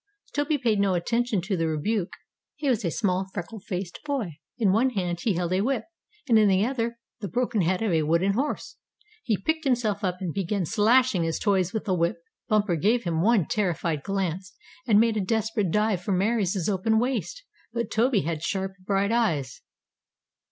Toby paid no attention to the rebuke. He was a small, freckle faced boy. In one hand he held a whip, and in the other the broken head of a wooden horse. He picked himself up, and began slashing his toys with the whip. Bumper gave him one terrified glance, and made a desperate dive for Mary's open waist. But Toby had sharp, bright eyes.